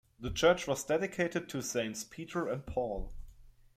The church was dedicated to Saints Peter and Paul.